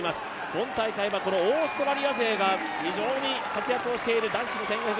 今大会はオーストラリア勢が非常に活躍している男子の１５００ｍ。